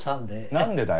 なんでだよ！